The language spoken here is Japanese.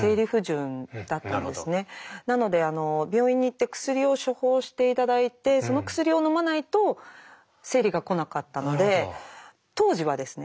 なので病院に行って薬を処方して頂いてその薬をのまないと生理が来なかったので当時はですね